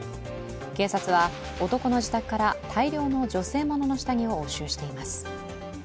警察は男の自宅から大量の女性ものの下着を押収しています。